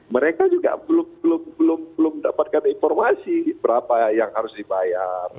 mereka juga belum belum belum dapatkan informasi berapa yang harus dibayar